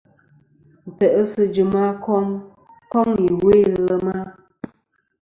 Ntè'sɨ jɨm a kom iwo i lema.